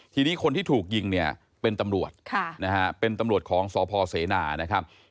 ทีนี้คนที่ถูกยิงเนี่ยเป็นตำรวจเป็นตำรวจของสพเสนานะครับ